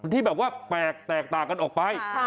ที่แบบว่าแปลกแตกต่างกันออกไป